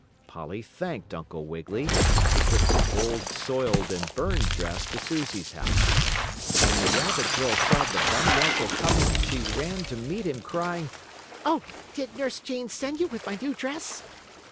Polly thanked Uncle Wiggily, who took the old soiled and burned dress to Susie's house. When the rabbit girl saw the bunny uncle coming she ran to meet him, crying: "Oh! did Nurse Jane send you with my new dress?"